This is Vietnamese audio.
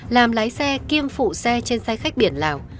làm lái xe kiêm phụ xe trên xe khách biển lào